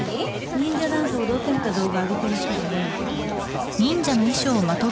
忍者ダンス踊ってみた動画上げてる人がいるんだけど。